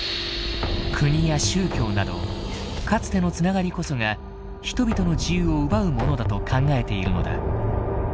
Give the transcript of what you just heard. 国や宗教などかつての繋がりこそが人々の自由を奪うものだと考えているのだ。